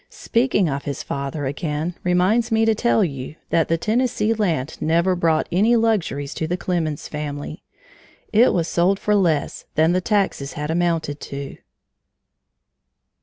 Speaking of his father again reminds me to tell you that the Tennessee land never brought any luxuries to the Clemens family. It was sold for less than the taxes had amounted to.